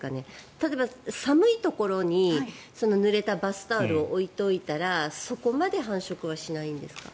例えば、寒いところにぬれたバスタオルを置いておいたらそこまで繁殖はしないんですか。